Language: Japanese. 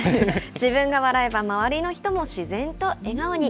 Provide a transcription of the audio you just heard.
自分が笑えば、周りの人も自然と笑顔に。